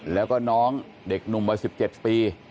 แล้วก็น้องเด็กหนุ่มวัย๑๗ปี